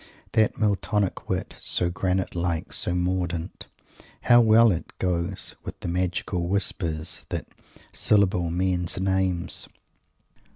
That Miltonic wit, so granite like and mordant, how well it goes with the magical whispers that "syllable men's names"!